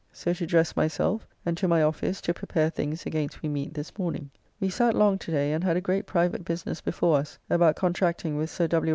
So to dress myself, and to my office to prepare things against we meet this morning. We sat long to day, and had a great private business before us about contracting with Sir W.